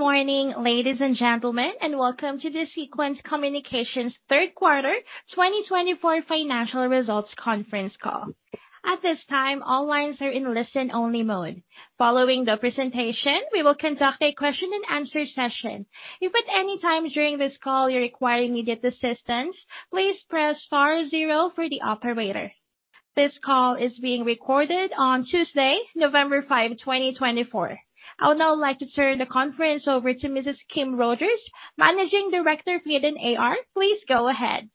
Good morning, ladies and gentlemen, and welcome to the Sequans Communications Third Quarter 2024 Financial Results Conference Call. At this time, all lines are in listen-only mode. Following the presentation, we will conduct a question-and-answer session. If at any time during this call you require immediate assistance, please press star zero for the operator. This call is being recorded on Tuesday, November 5, 2024. I would now like to turn the conference over to Mrs. Kim Rogers, Managing Director, Hayden IR. Please go ahead.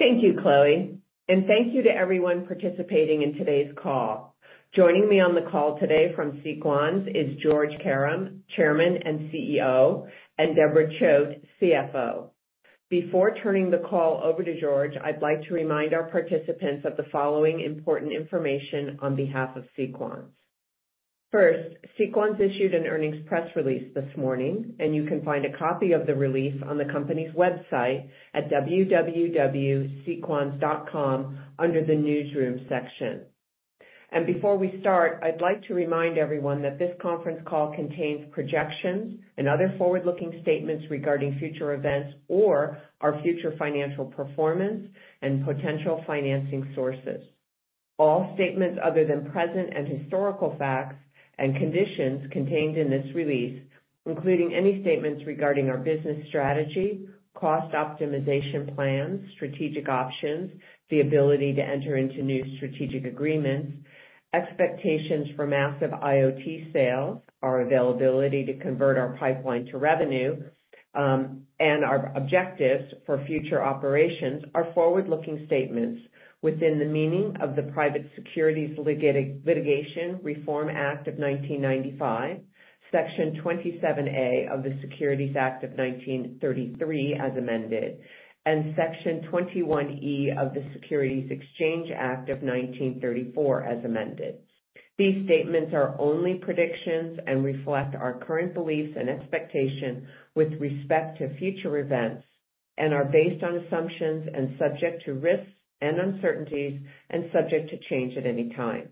Thank you, Chloe, and thank you to everyone participating in today's call. Joining me on the call today from Sequans is Georges Karam, Chairman and CEO, and Deborah Choate, CFO. Before turning the call over to George, I'd like to remind our participants of the following important information on behalf of Sequans. First, Sequans issued an earnings press release this morning, and you can find a copy of the release on the company's website at www.sequans.com under the newsroom section, and before we start, I'd like to remind everyone that this conference call contains projections and other forward-looking statements regarding future events or our future financial performance and potential financing sources. All statements other than present and historical facts and conditions contained in this release, including any statements regarding our business strategy, cost optimization plans, strategic options, the ability to enter into new strategic agreements, expectations for massive IoT sales, our availability to convert our pipeline to revenue, and our objectives for future operations, are forward-looking statements within the meaning of the Private Securities Litigation Reform Act of 1995, Section 27A of the Securities Act of 1933 as amended, and Section 21E of the Securities Exchange Act of 1934 as amended. These statements are only predictions and reflect our current beliefs and expectations with respect to future events and are based on assumptions and subject to risks and uncertainties and subject to change at any time.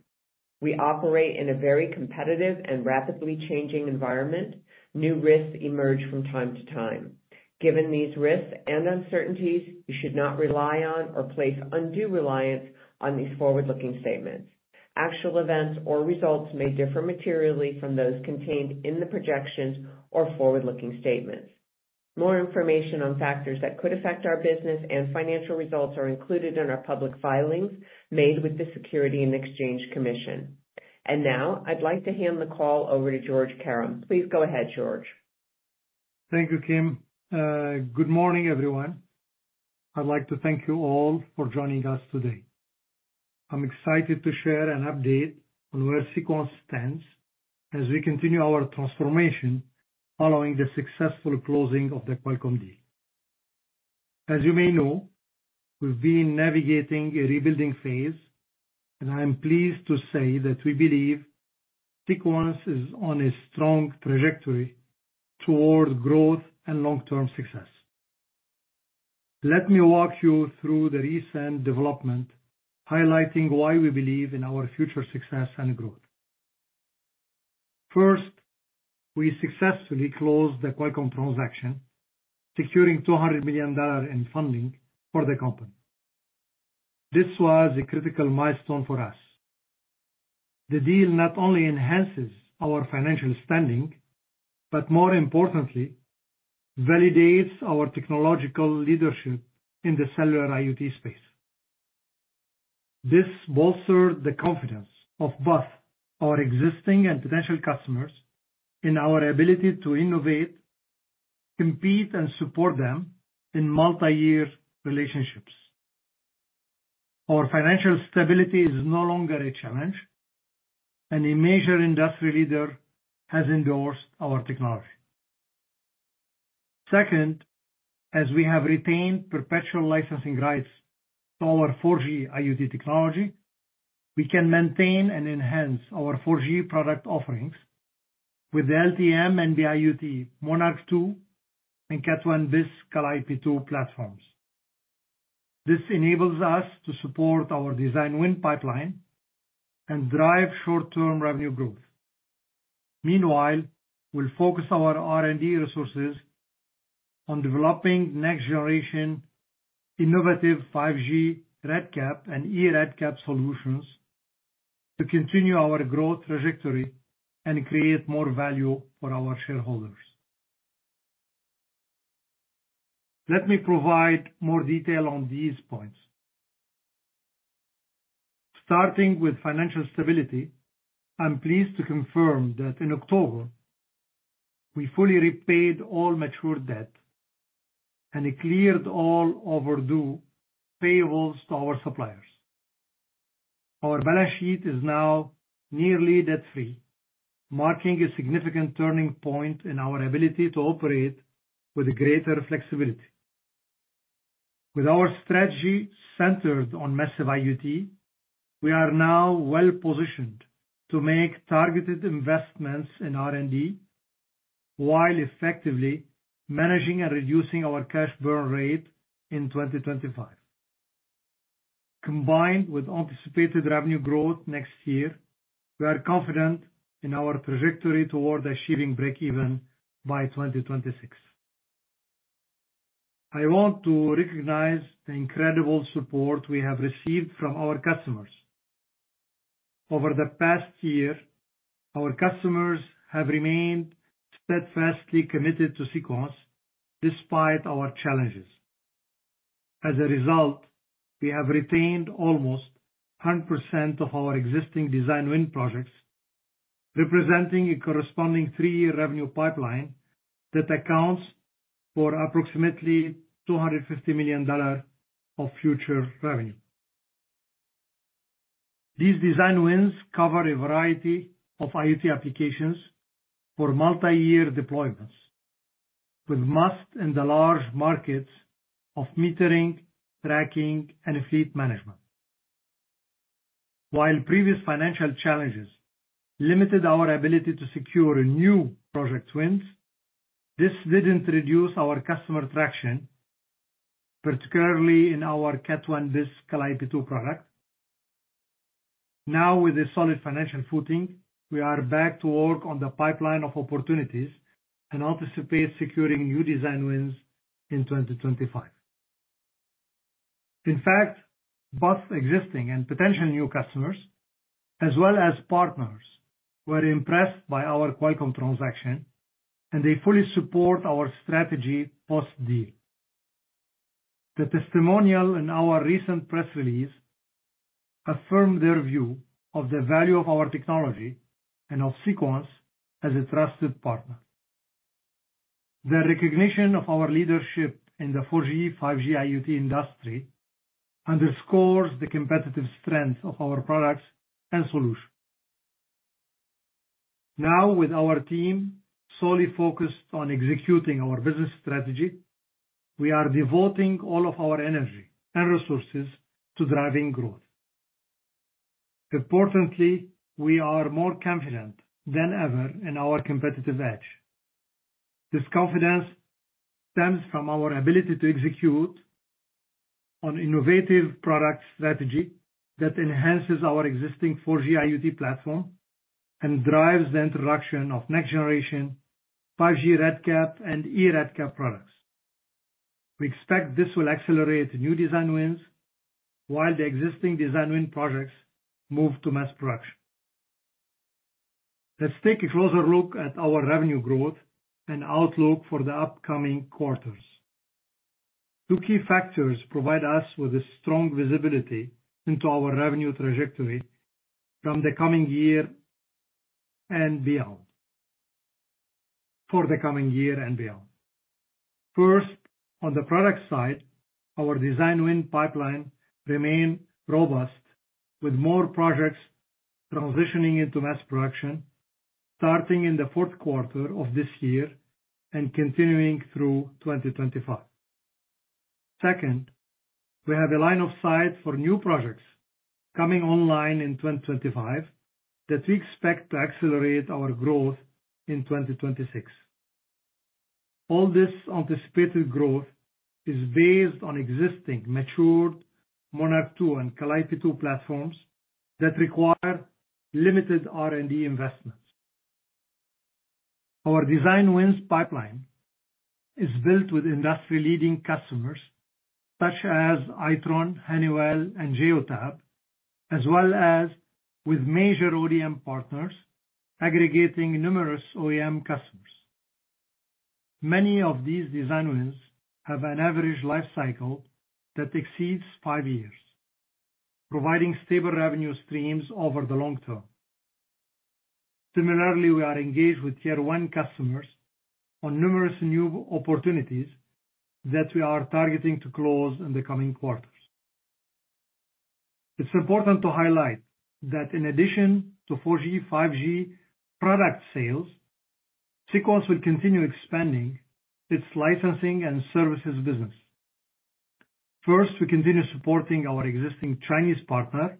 We operate in a very competitive and rapidly changing environment. New risks emerge from time to time. Given these risks and uncertainties, you should not rely on or place undue reliance on these forward-looking statements. Actual events or results may differ materially from those contained in the projections or forward-looking statements. More information on factors that could affect our business and financial results are included in our public filings made with the Securities and Exchange Commission. And now I'd like to hand the call over to George Karam. Please go ahead, George. Thank you, Kim. Good morning, everyone. I'd like to thank you all for joining us today. I'm excited to share an update on where Sequans stands as we continue our transformation following the successful closing of the Qualcomm deal. As you may know, we've been navigating a rebuilding phase, and I'm pleased to say that we believe Sequans is on a strong trajectory toward growth and long-term success. Let me walk you through the recent development highlighting why we believe in our future success and growth. First, we successfully closed the Qualcomm transaction, securing $200 million in funding for the company. This was a critical milestone for us. The deal not only enhances our financial standing, but more importantly, validates our technological leadership in the cellular IoT space. This bolstered the confidence of both our existing and potential customers in our ability to innovate, compete, and support them in multi-year relationships. Our financial stability is no longer a challenge, and a major industry leader has endorsed our technology. Second, as we have retained perpetual licensing rights to our 4G IoT technology, we can maintain and enhance our 4G product offerings with the LTE-M and the IoT Monarch 2 and Cat 1bis Calliope 2 platforms. This enables us to support our design win pipeline and drive short-term revenue growth. Meanwhile, we'll focus our R&D resources on developing next-generation innovative 5G RedCap and e-RedCap solutions to continue our growth trajectory and create more value for our shareholders. Let me provide more detail on these points. Starting with financial stability, I'm pleased to confirm that in October, we fully repaid all mature debt and cleared all overdue payables to our suppliers. Our balance sheet is now nearly debt-free, marking a significant turning point in our ability to operate with greater flexibility. With our strategy centered on massive IoT, we are now well-positioned to make targeted investments in R&D while effectively managing and reducing our cash burn rate in 2025. Combined with anticipated revenue growth next year, we are confident in our trajectory toward achieving break-even by 2026. I want to recognize the incredible support we have received from our customers. Over the past year, our customers have remained steadfastly committed to Sequans despite our challenges. As a result, we have retained almost 100% of our existing design win projects, representing a corresponding three-year revenue pipeline that accounts for approximately $250 million of future revenue. These design wins cover a variety of IoT applications for multi-year deployments, with most in the large markets of metering, tracking, and fleet management. While previous financial challenges limited our ability to secure new project wins, this didn't reduce our customer traction, particularly in our Cat 1bis Calliope 2 product. Now, with a solid financial footing, we are back to work on the pipeline of opportunities and anticipate securing new design wins in 2025. In fact, both existing and potential new customers, as well as partners, were impressed by our Qualcomm transaction, and they fully support our strategy post-deal. The testimonial in our recent press release affirmed their view of the value of our technology and of Sequans as a trusted partner. The recognition of our leadership in the 4G, 5G IoT industry underscores the competitive strength of our products and solutions. Now, with our team solely focused on executing our business strategy, we are devoting all of our energy and resources to driving growth. Importantly, we are more confident than ever in our competitive edge. This confidence stems from our ability to execute on innovative product strategy that enhances our existing 4G IoT platform and drives the introduction of next-generation 5G RedCap and e-RedCap products. We expect this will accelerate new design wins while the existing design win projects move to mass production. Let's take a closer look at our revenue growth and outlook for the upcoming quarters. Two key factors provide us with a strong visibility into our revenue trajectory from the coming year and beyond. First, on the product side, our design win pipeline remains robust, with more projects transitioning into mass production starting in the fourth quarter of this year and continuing through 2025. Second, we have a line of sight for new projects coming online in 2025 that we expect to accelerate our growth in 2026. All this anticipated growth is based on existing matured Monarch 2 and Calliope 2 platforms that require limited R&D investments. Our design wins pipeline is built with industry-leading customers such as Itron, Honeywell, and Geotab, as well as with major ODM partners aggregating numerous OEM customers. Many of these design wins have an average life cycle that exceeds five years, providing stable revenue streams over the long term. Similarly, we are engaged with tier-one customers on numerous new opportunities that we are targeting to close in the coming quarters. It's important to highlight that in addition to 4G, 5G product sales, Sequans will continue expanding its licensing and services business. First, we continue supporting our existing Chinese partner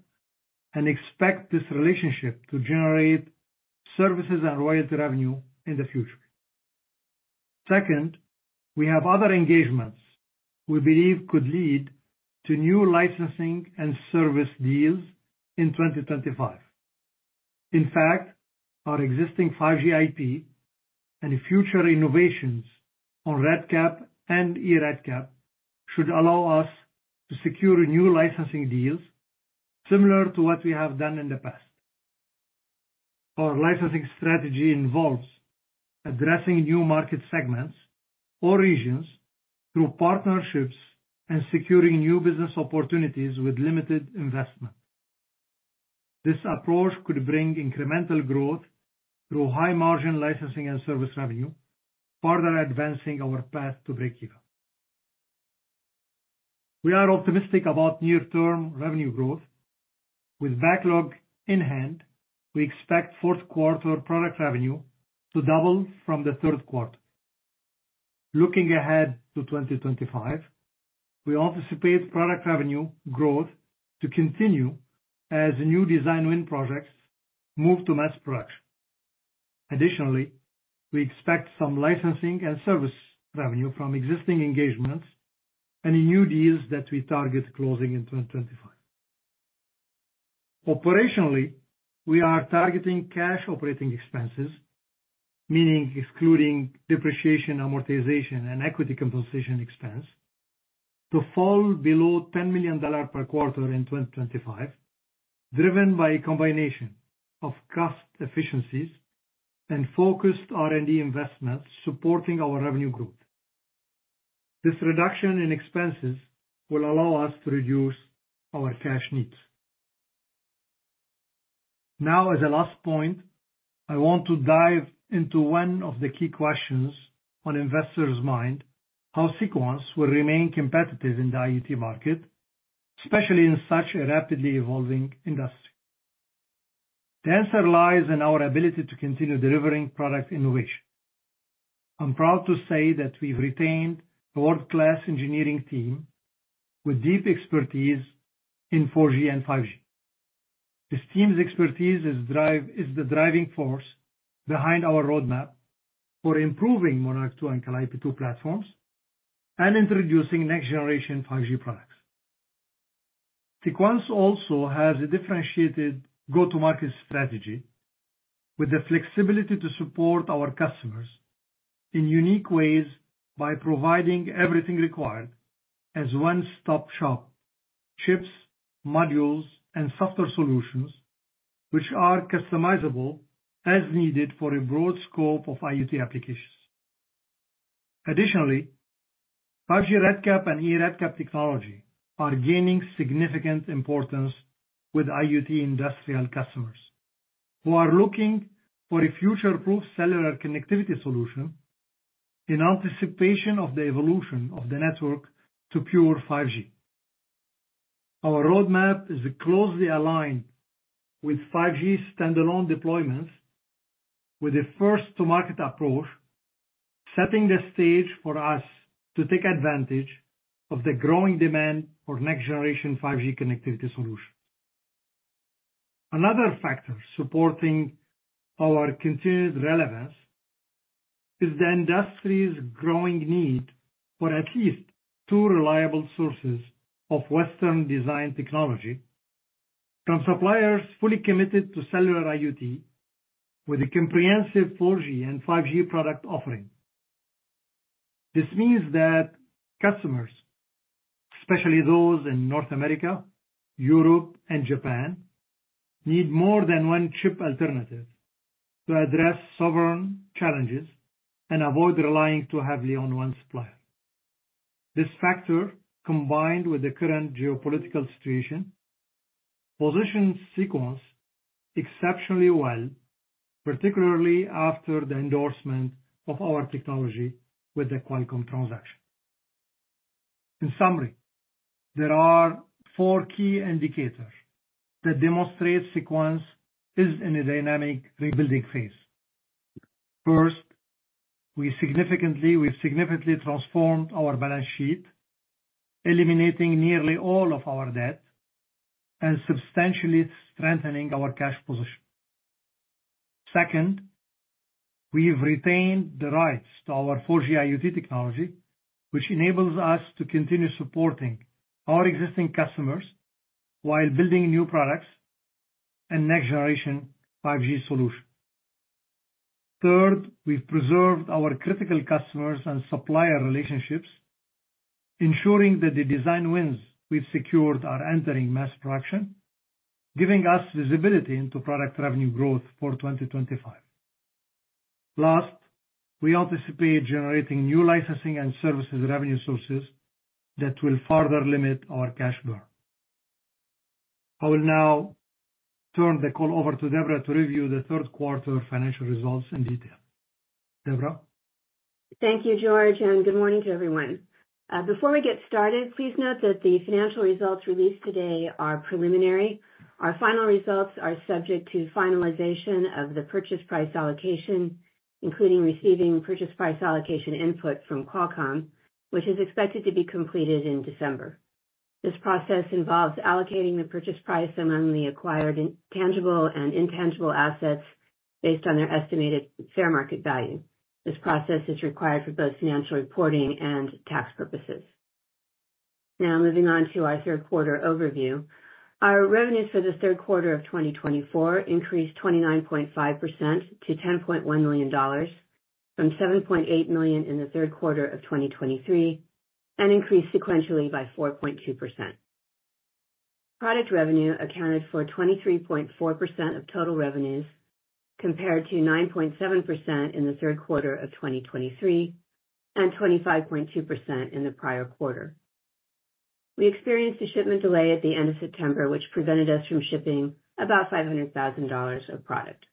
and expect this relationship to generate services and royalty revenue in the future. Second, we have other engagements we believe could lead to new licensing and service deals in 2025. In fact, our existing 5G IP and future innovations on RedCap and e-RedCap should allow us to secure new licensing deals similar to what we have done in the past. Our licensing strategy involves addressing new market segments or regions through partnerships and securing new business opportunities with limited investment. This approach could bring incremental growth through high-margin licensing and service revenue, further advancing our path to break-even. We are optimistic about near-term revenue growth. With backlog in hand, we expect fourth quarter product revenue to double from the third quarter. Looking ahead to 2025, we anticipate product revenue growth to continue as new design win projects move to mass production. Additionally, we expect some licensing and service revenue from existing engagements and new deals that we target closing in 2025. Operationally, we are targeting cash operating expenses, meaning excluding depreciation, amortization, and equity compensation expense, to fall below $10 million per quarter in 2025, driven by a combination of cost efficiencies and focused R&D investments supporting our revenue growth. This reduction in expenses will allow us to reduce our cash needs. Now, as a last point, I want to dive into one of the key questions on investors' minds: how Sequans will remain competitive in the IoT market, especially in such a rapidly evolving industry. The answer lies in our ability to continue delivering product innovation. I'm proud to say that we've retained a world-class engineering team with deep expertise in 4G and 5G. This team's expertise is the driving force behind our roadmap for improving Monarch 2 and Calliope 2 platforms and introducing next-generation 5G products. Sequans also has a differentiated go-to-market strategy with the flexibility to support our customers in unique ways by providing everything required as one-stop shop: chips, modules, and software solutions, which are customizable as needed for a broad scope of IoT applications. Additionally, 5G RedCap and e-RedCap technology are gaining significant importance with IoT industrial customers who are looking for a future-proof cellular connectivity solution in anticipation of the evolution of the network to pure 5G. Our roadmap is closely aligned with 5G standalone deployments, with a first-to-market approach setting the stage for us to take advantage of the growing demand for next-generation 5G connectivity solutions. Another factor supporting our continued relevance is the industry's growing need for at least two reliable sources of Western design technology from suppliers fully committed to cellular IoT, with a comprehensive 4G and 5G product offering. This means that customers, especially those in North America, Europe, and Japan, need more than one chip alternative to address sovereign challenges and avoid relying too heavily on one supplier. This factor, combined with the current geopolitical situation, positions Sequans exceptionally well, particularly after the endorsement of our technology with the Qualcomm transaction. In summary, there are four key indicators that demonstrate Sequans is in a dynamic rebuilding phase. First, we significantly transformed our balance sheet, eliminating nearly all of our debt and substantially strengthening our cash position. Second, we've retained the rights to our 4G IoT technology, which enables us to continue supporting our existing customers while building new products and next-generation 5G solutions. Third, we've preserved our critical customers and supplier relationships, ensuring that the design wins we've secured are entering mass production, giving us visibility into product revenue growth for 2025. Last, we anticipate generating new licensing and services revenue sources that will further limit our cash burn. I will now turn the call over to Deborah to review the third quarter financial results in detail. Deborah. Thank you, George, and good morning to everyone. Before we get started, please note that the financial results released today are preliminary. Our final results are subject to finalization of the purchase price allocation, including receiving purchase price allocation input from Qualcomm, which is expected to be completed in December. This process involves allocating the purchase price among the acquired tangible and intangible assets based on their estimated fair market value. This process is required for both financial reporting and tax purposes. Now, moving on to our third quarter overview, our revenues for the third quarter of 2024 increased 29.5% to $10.1 million from $7.8 million in the third quarter of 2023 and increased sequentially by 4.2%. Product revenue accounted for 23.4% of total revenues compared to 9.7% in the third quarter of 2023 and 25.2% in the prior quarter. We experienced a shipment delay at the end of September, which prevented us from shipping about $500,000 of product.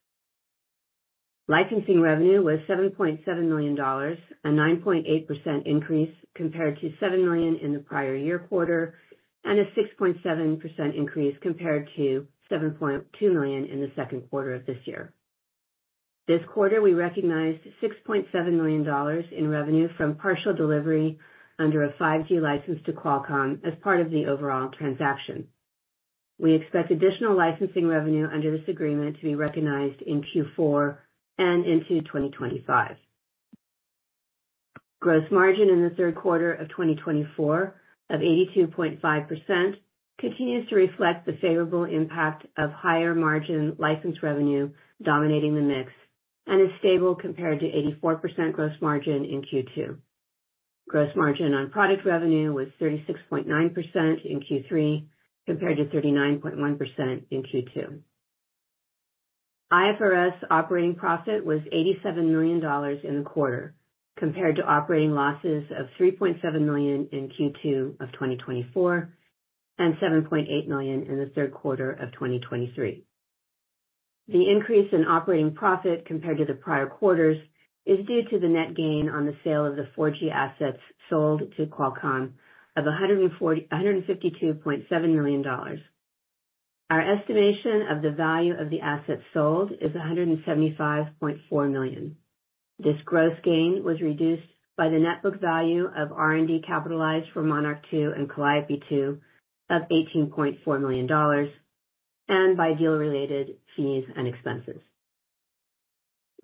Licensing revenue was $7.7 million, a 9.8% increase compared to $7 million in the prior year quarter and a 6.7% increase compared to $7.2 million in the second quarter of this year. This quarter, we recognized $6.7 million in revenue from partial delivery under a 5G license to Qualcomm as part of the overall transaction. We expect additional licensing revenue under this agreement to be recognized in Q4 and into 2025. Gross margin in the third quarter of 2024 of 82.5% continues to reflect the favorable impact of higher margin license revenue dominating the mix and is stable compared to 84% gross margin in Q2. Gross margin on product revenue was 36.9% in Q3 compared to 39.1% in Q2. IFRS operating profit was $87 million in the quarter compared to operating losses of $3.7 million in Q2 of 2024 and $7.8 million in the third quarter of 2023. The increase in operating profit compared to the prior quarters is due to the net gain on the sale of the 4G assets sold to Qualcomm of $152.7 million. Our estimation of the value of the assets sold is $175.4 million. This gross gain was reduced by the net book value of R&D capitalized for Monarch 2 and Calliope 2 of $18.4 million and by deal-related fees and expenses.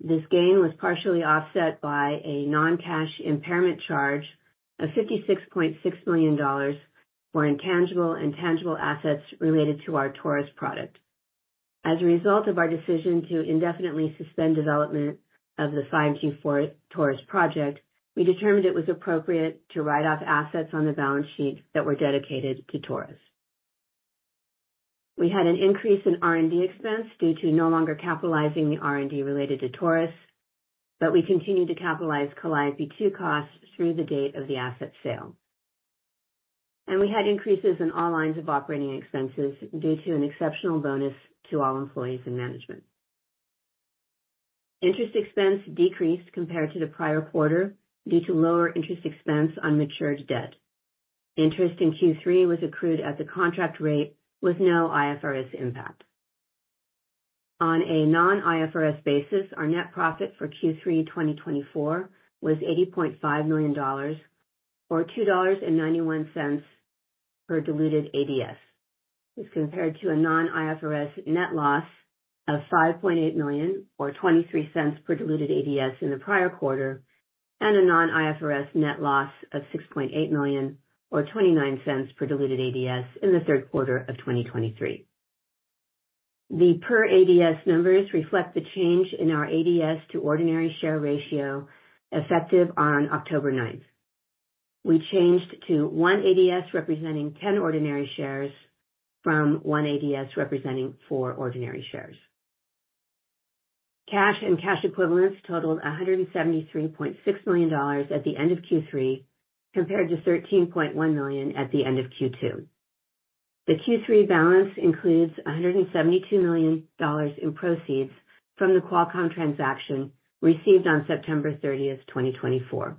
This gain was partially offset by a non-cash impairment charge of $56.6 million for intangible and tangible assets related to our Taurus product. As a result of our decision to indefinitely suspend development of the 5G for Taurus project, we determined it was appropriate to write off assets on the balance sheet that were dedicated to Taurus. We had an increase in R&D expense due to no longer capitalizing the R&D related to Taurus, but we continued to capitalize Calliope 2 costs through the date of the asset sale, and we had increases in all lines of operating expenses due to an exceptional bonus to all employees and management. Interest expense decreased compared to the prior quarter due to lower interest expense on matured debt. Interest in Q3 was accrued at the contract rate with no IFRS impact. On a non-IFRS basis, our net profit for Q3 2024 was $80.5 million or $2.91 per diluted ADS. This compared to a non-IFRS net loss of $5.8 million or $0.23 per diluted ADS in the prior quarter and a non-IFRS net loss of $6.8 million or $0.29 per diluted ADS in the third quarter of 2023. The per-ADS numbers reflect the change in our ADS to ordinary share ratio effective on October 9th. We changed to one ADS representing 10 ordinary shares from one ADS representing four ordinary shares. Cash and cash equivalents totaled $173.6 million at the end of Q3 compared to $13.1 million at the end of Q2. The Q3 balance includes $172 million in proceeds from the Qualcomm transaction received on September 30th, 2024.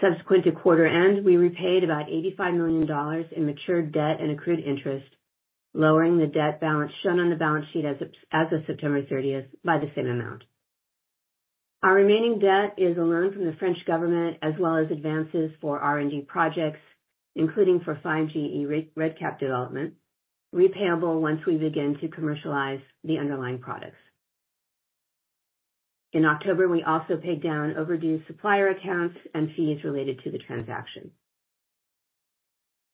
Subsequent to quarter end, we repaid about $85 million in matured debt and accrued interest, lowering the debt balance shown on the balance sheet as of September 30th by the same amount. Our remaining debt is a loan from the French government as well as advances for R&D projects, including for 5G e-RedCap development, repayable once we begin to commercialize the underlying products. In October, we also paid down overdue supplier accounts and fees related to the transaction.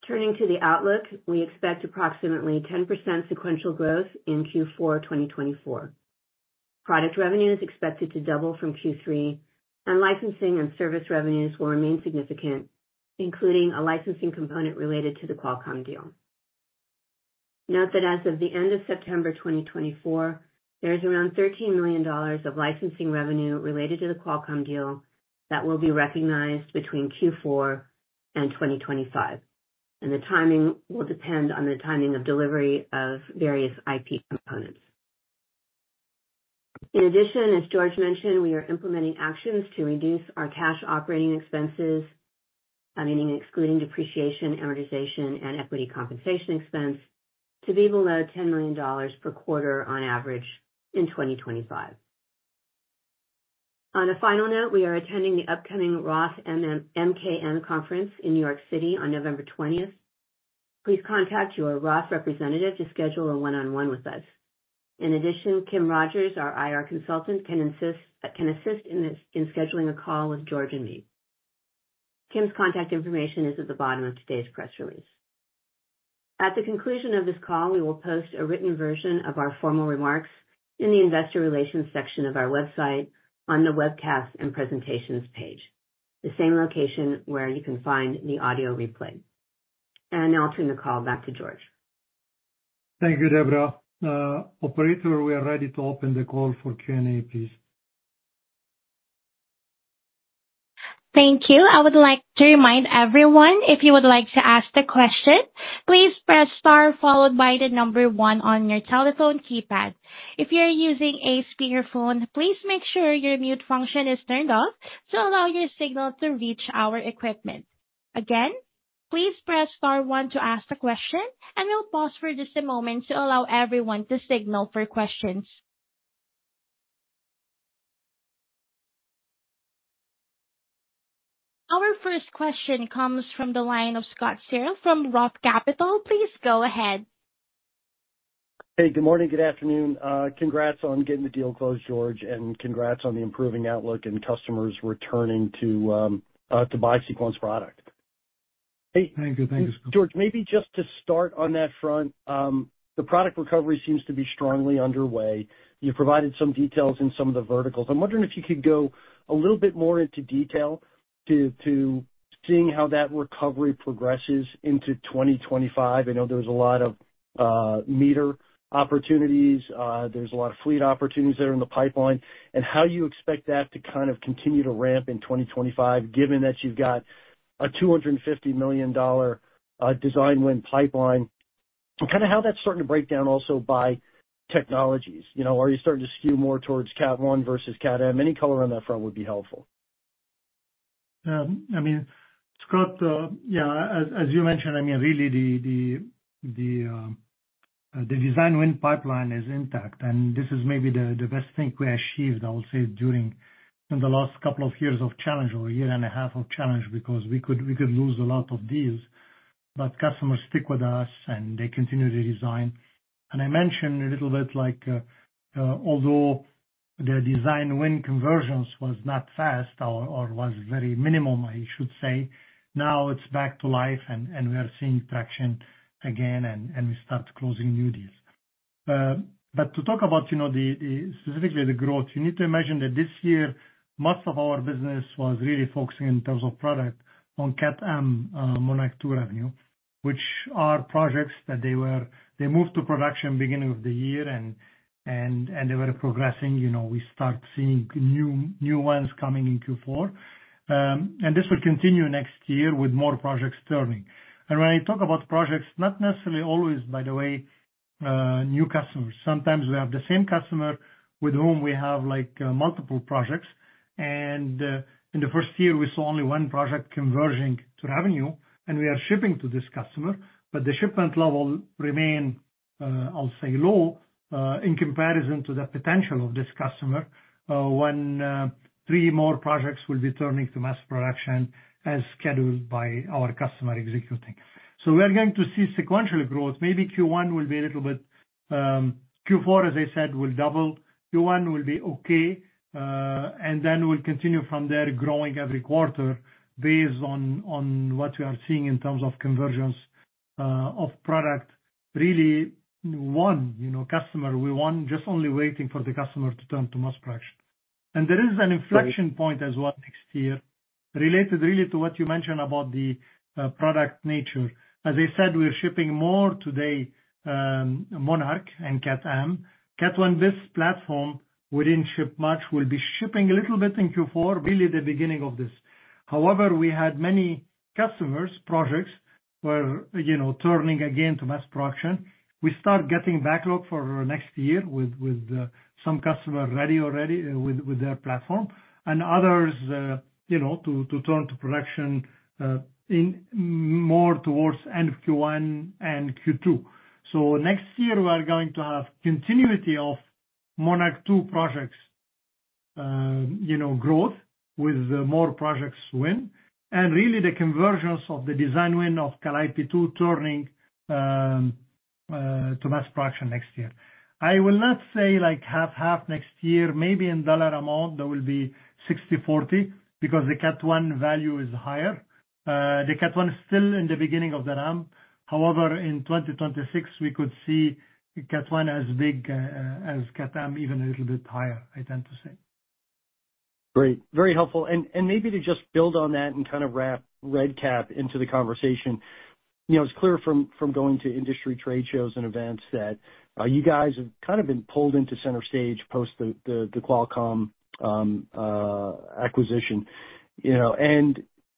Turning to the outlook, we expect approximately 10% sequential growth in Q4 2024. Product revenue is expected to double from Q3, and licensing and service revenues will remain significant, including a licensing component related to the Qualcomm deal. Note that as of the end of September 2024, there is around $13 million of licensing revenue related to the Qualcomm deal that will be recognized between Q4 and 2025, and the timing will depend on the timing of delivery of various IP components. In addition, as George mentioned, we are implementing actions to reduce our cash operating expenses, meaning excluding depreciation, amortization, and equity compensation expense to be below $10 million per quarter on average in 2025. On a final note, we are attending the upcoming Roth MKM Conference in New York City on November 20th. Please contact your Roth representative to schedule a one-on-one with us. In addition, Kim Rogers, our IR consultant, can assist in scheduling a call with George and me. Kim's contact information is at the bottom of today's press release. At the conclusion of this call, we will post a written version of our formal remarks in the investor relations section of our website on the webcast and presentations page, the same location where you can find the audio replay. And now I'll turn the call back to George. Thank you, Deborah. Operator, we are ready to open the call for Q&A, please. Thank you. I would like to remind everyone, if you would like to ask a question, please press star followed by the number one on your telephone keypad. If you're using a speakerphone, please make sure your mute function is turned off to allow your signal to reach our equipment. Again, please press star one to ask a question, and we'll pause for just a moment to allow everyone to signal for questions. Our first question comes from the line of Scott Searle from Roth Capital. Please go ahead. Hey, good morning. Good afternoon. Congrats on getting the deal closed, George, and congrats on the improving outlook and customers returning to buy Sequans product. Hey. Thank you. Thank you, Scott. George, maybe just to start on that front, the product recovery seems to be strongly underway. You provided some details in some of the verticals. I'm wondering if you could go a little bit more into detail to seeing how that recovery progresses into 2025. I know there's a lot of meter opportunities. There's a lot of fleet opportunities that are in the pipeline, and how you expect that to kind of continue to ramp in 2025, given that you've got a $250 million design win pipeline, and kind of how that's starting to break down also by technologies. Are you starting to skew more towards Cat 1 versus Cat M? Any color on that front would be helpful. I mean, Scott, yeah, as you mentioned, I mean, really, the design win pipeline is intact, and this is maybe the best thing we achieved, I would say, during the last couple of years of challenge or a year and a half of challenge because we could lose a lot of deals, but customers stick with us, and they continue to design, and I mentioned a little bit, although the design win conversions was not fast or was very minimal, I should say, now it's back to life, and we are seeing traction again, and we start closing new deals. But to talk about specifically the growth, you need to imagine that this year, most of our business was really focusing in terms of product on Cat M, Monarch 2 revenue, which are projects that they moved to production beginning of the year, and they were progressing. We start seeing new ones coming in Q4. And this will continue next year with more projects turning. And when I talk about projects, not necessarily always, by the way, the same customer with whom we have multiple projects. And in the first year, we saw only one project converging to revenue, and we are shipping to this customer, but the shipment level remains, I'll say, low in comparison to the potential of this customer when three more projects will be turning to mass production as scheduled by our customer executing. We are going to see sequential growth. Maybe Q1 will be a little bit like Q4, as I said, will double. Q1 will be okay, and then we'll continue from there growing every quarter based on what we are seeing in terms of convergence of product. Really, one customer, we're only just waiting for the customer to turn to mass production. There is an inflection point as well next year related really to what you mentioned about the product nature. As I said, we're shipping more today, Monarch and Cat M. Cat 1bis, this platform, we didn't ship much, will be shipping a little bit in Q4, really the beginning of this. However, we had many customers' projects turning again to mass production. We start getting backlog for next year with some customers ready already with their platform and others to turn to production more towards end of Q1 and Q2. So next year, we are going to have continuity of Monarch 2 projects growth with more projects win. And really, the convergence of the design win of Calliope 2 turning to mass production next year. I will not say half-half next year. Maybe in dollar amount, there will be 60/40 because the Cat 1 value is higher. The Cat 1 is still in the beginning of the ramp. However, in 2026, we could see Cat 1 as big as Cat M, even a little bit higher, I tend to say. Great. Very helpful. And maybe to just build on that and kind of wrap RedCap into the conversation. It's clear from going to industry trade shows and events that you guys have kind of been pulled into center stage post the Qualcomm acquisition. And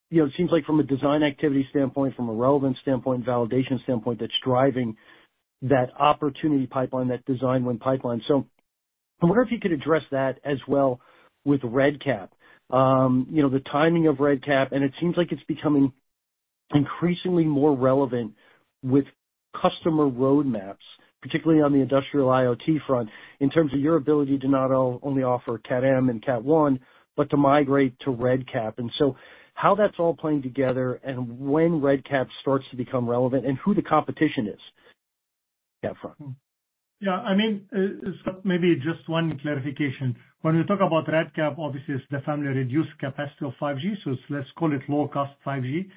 it seems like from a design activity standpoint, from a relevance standpoint, validation standpoint, that's driving that opportunity pipeline, that design win pipeline. So I wonder if you could address that as well with RedCap. The timing of RedCap, and it seems like it's becoming increasingly more relevant with customer roadmaps, particularly on the industrial IoT front, in terms of your ability to not only offer Cat M and Cat 1, but to migrate to RedCap. And so how that's all playing together and when RedCap starts to become relevant and who the competition is on that front. Yeah. I mean, Scott, maybe just one clarification. When we talk about RedCap, obviously, it's the family of reduced capability of 5G, so let's call it low-cost 5G,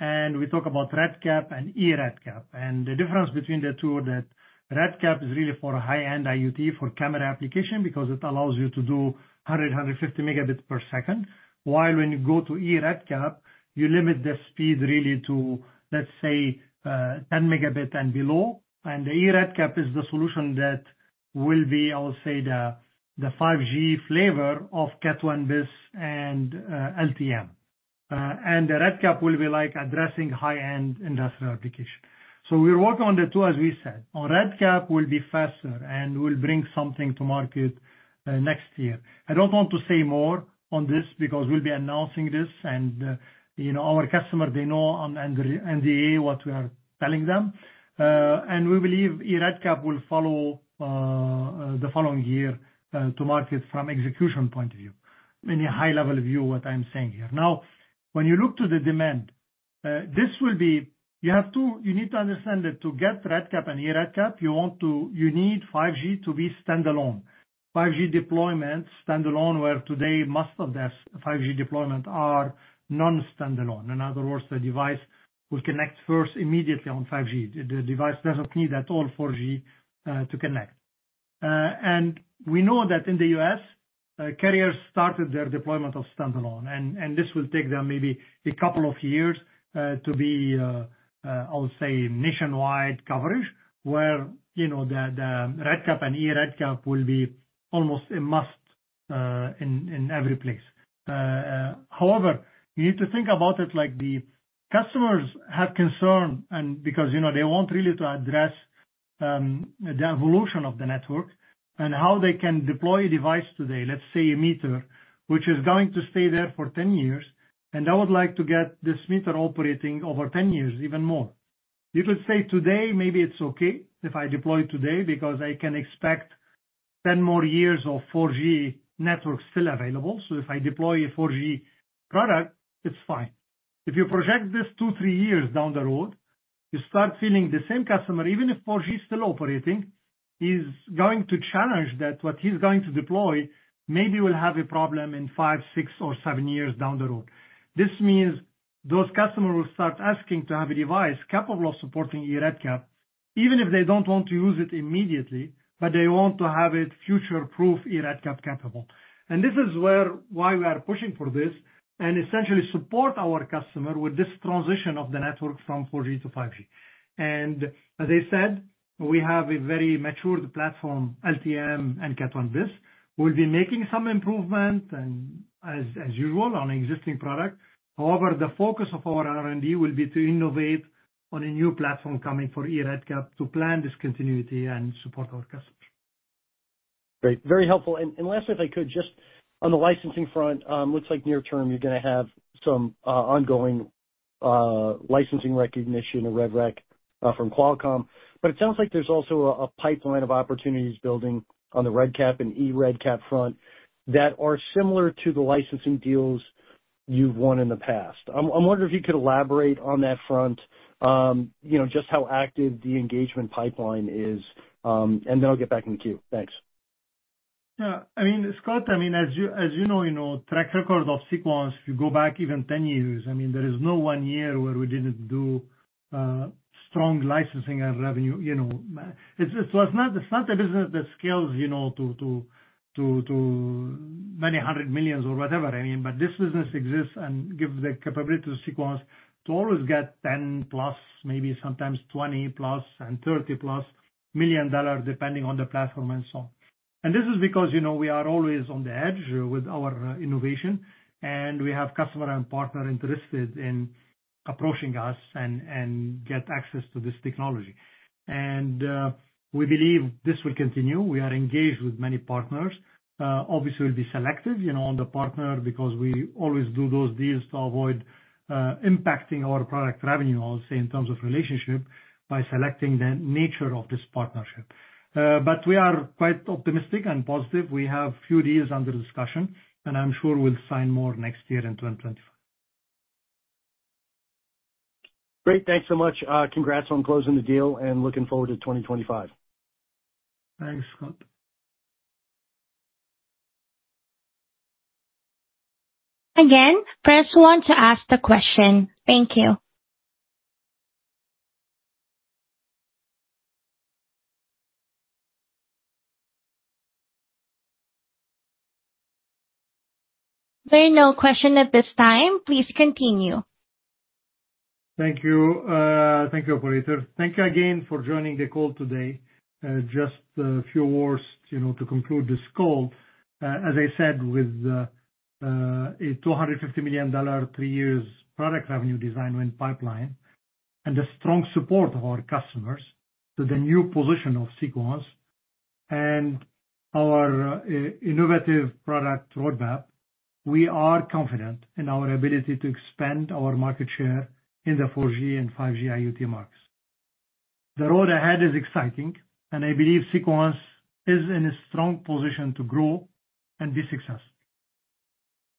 and we talk about RedCap and e-RedCap. The difference between the two is that RedCap is really for high-end IoT for camera application because it allows you to do 100, 150 megabits per second, while when you go to e-RedCap, you limit the speed really to, let's say, 10 megabit and below. And the e-RedCap is the solution that will be, I would say, the 5G flavor of Cat 1bis and LTE-M, and the RedCap will be addressing high-end industrial application, so we're working on the two, as we said. RedCap will be faster and will bring something to market next year. I don't want to say more on this because we'll be announcing this. Our customers, they know on NDA what we are telling them. We believe e-RedCap will follow the following year to market from execution point of view. In a high-level view, what I'm saying here. Now, when you look to the demand, this will be you need to understand that to get RedCap and e-RedCap, you need 5G to be standalone. 5G deployment standalone where today most of the 5G deployment are non-standalone. In other words, the device will connect first immediately on 5G. The device doesn't need at all 4G to connect. We know that in the U.S., carriers started their deployment of standalone. This will take them maybe a couple of years to be, I would say, nationwide coverage where the RedCap and e-RedCap will be almost a must in every place. However, you need to think about it like the customers have concern because they want really to address the evolution of the network and how they can deploy a device today, let's say a meter, which is going to stay there for 10 years, and I would like to get this meter operating over 10 years, even more. You could say today, maybe it's okay if I deploy today because I can expect 10 more years of 4G network still available, so if I deploy a 4G product, it's fine. If you project this two, three years down the road, you start feeling the same customer, even if 4G is still operating, is going to challenge that what he's going to deploy maybe will have a problem in five, six, or seven years down the road. This means those customers will start asking to have a device capable of supporting e-RedCap, even if they don't want to use it immediately, but they want to have it future-proof e-RedCap capable. And this is why we are pushing for this and essentially support our customer with this transition of the network from 4G to 5G. And as I said, we have a very matured platform, LTE-M and Cat 1bis. We'll be making some improvement, as usual, on existing product. However, the focus of our R&D will be to innovate on a new platform coming for e-RedCap to plan this continuity and support our customers. Great. Very helpful. And lastly, if I could, just on the licensing front, looks like near term you're going to have some ongoing licensing recognition or rev rec from Qualcomm. But it sounds like there's also a pipeline of opportunities building on the RedCap and e-RedCap front that are similar to the licensing deals you've won in the past. I'm wondering if you could elaborate on that front, just how active the engagement pipeline is. And then I'll get back in the queue. Thanks. Yeah. I mean, Scott, I mean, as you know, track record of Sequans, if you go back even 10 years, I mean, there is no one year where we didn't do strong licensing and revenue. It's not a business that scales to many hundred millions or whatever. I mean, but this business exists and gives the capability to Sequans to always get $10-plus million, maybe sometimes $20-plus million and $30-plus million, depending on the platform and so on. This is because we are always on the edge with our innovation, and we have customer and partner interested in approaching us and get access to this technology. We believe this will continue. We are engaged with many partners. Obviously, we'll be selective on the partner because we always do those deals to avoid impacting our product revenue, I'll say, in terms of relationship by selecting the nature of this partnership. We are quite optimistic and positive. We have a few deals under discussion, and I'm sure we'll sign more next year in 2025. Great. Thanks so much. Congrats on closing the deal and looking forward to 2025. Thanks, Scott. Again, press one to ask the question. Thank you. There are no questions at this time. Please continue. Thank you. Thank you, Operator. Thank you again for joining the call today. Just a few words to conclude this call. As I said, with a $250 million, three years product revenue design win pipeline and the strong support of our customers to the new position of Sequans and our innovative product roadmap, we are confident in our ability to expand our market share in the 4G and 5G IoT markets. The road ahead is exciting, and I believe Sequans is in a strong position to grow and be successful.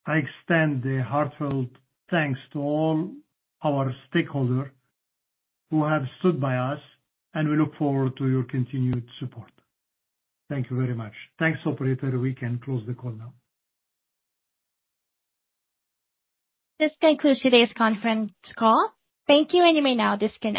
I extend the heartfelt thanks to all our stakeholders who have stood by us, and we look forward to your continued support. Thank you very much. Thanks, Operator. We can close the call now. This concludes today's conference call. Thank you, and you may now disconnect.